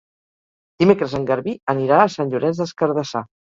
Dimecres en Garbí anirà a Sant Llorenç des Cardassar.